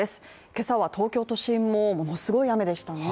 今朝は東京都心もものすごい雨でしたね。